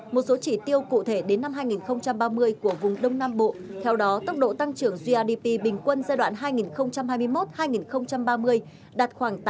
một số chỉ tiêu cụ thể đến năm hai nghìn ba mươi của vùng đông nam bộ theo đó tốc độ tăng trưởng grdp bình quân giai đoạn hai nghìn hai mươi một hai nghìn ba mươi đạt khoảng tám mươi